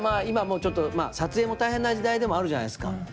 今もうちょっとまあ撮影も大変な時代でもあるじゃないですか。